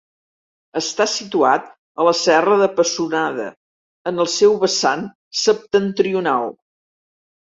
Està situat a la Serra de Pessonada, en el seu vessant septentrional.